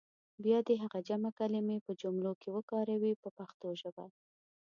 بیا دې هغه جمع کلمې په جملو کې وکاروي په پښتو ژبه.